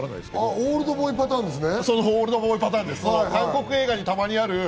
『オールドボーイ』パターンですね。